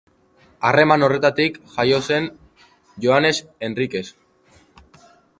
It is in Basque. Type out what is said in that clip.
Harreman horretatik jaio zen Joanes Enrikez.